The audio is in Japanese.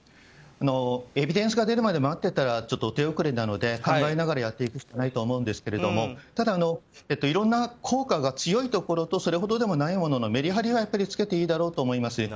エビデンスが出るまで待っていたらちょっと手遅れなので考えながらやっていくしかないと思いますがただ、いろんな効果が強いところとそれほどでもないもののメリハリはつけていいだろうと思います。